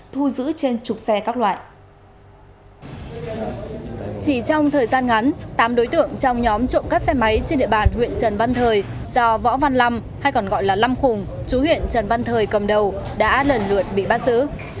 trong thời gian ngắn tám đối tượng trong nhóm trộm cắp xe máy trên địa bàn huyện trần văn thời do võ văn lâm hay còn gọi là lâm hùng chú huyện trần văn thời cầm đầu đã lần lượt bị bắt giữ